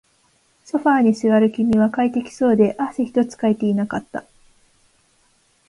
ソファーに座る君は快適そうで、汗一つかいていなかった